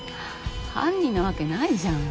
犯人なわけないじゃん。